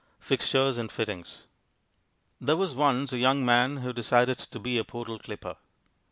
Fixtures and Fittings There was once a young man who decided to be a poodle clipper.